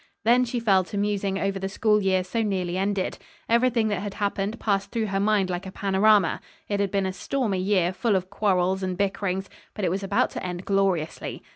Then she fell to musing over the school year so nearly ended. Everything that had happened passed through her mind like a panorama. It had been a stormy year, full of quarrels and bickerings, but it was about to end gloriously.